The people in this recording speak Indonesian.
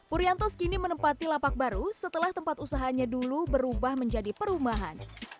uriantos kini menempati lapak baru setelah tempat usahanya dulu berubah menjadi perumahan